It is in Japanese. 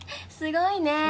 すごいね。